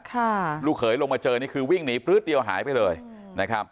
ลูกเขยลงมาเจอนี่คือวิ่งหนีปลื๊ดเดียวหายไปเลยนะครับ